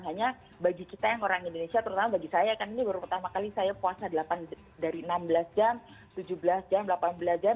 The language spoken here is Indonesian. hanya bagi kita yang orang indonesia terutama bagi saya kan ini baru pertama kali saya puasa dari enam belas jam tujuh belas jam delapan belas jam